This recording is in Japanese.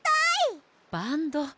バンド！